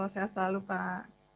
sehat selalu pak